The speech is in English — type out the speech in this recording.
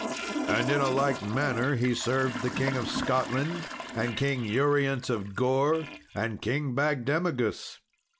And in like manner he served the King of Scotland, and King Urience of Gore, and King Bagdemagus.